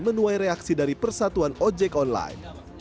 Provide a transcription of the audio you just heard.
menuai reaksi dari persatuan ojek online